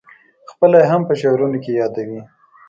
خپله یې هم په شعرونو کې یادوې.